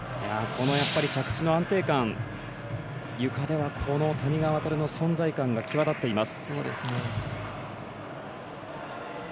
着地の安定感ゆかではこの谷川航の存在感が際立っています。